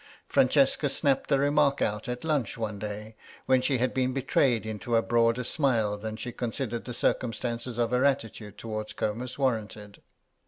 Francesca snapped the remark out at lunch one day when she had been betrayed into a broader smile than she considered the circumstances of her attitude towards Comus warranted.